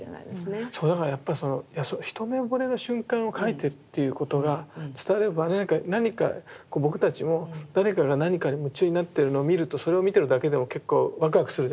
そうだからやっぱりその一目ぼれの瞬間を描いてるっていうことが伝われば何か僕たちも誰かが何かに夢中になってるのを見るとそれを見てるだけでも結構わくわくするじゃないですか。